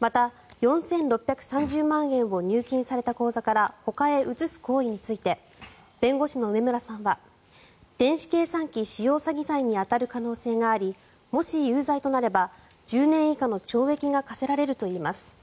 また、４６３０万円を入金された口座からほかへ移す行為について弁護士の梅村さんは電子計算機使用詐欺罪に当たる可能性がありもし有罪となれば１０年以下の懲役が科せられるといいます。